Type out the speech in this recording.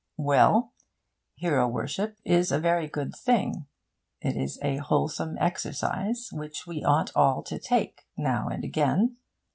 Well! hero worship is a very good thing. It is a wholesome exercise which we ought all to take, now and again.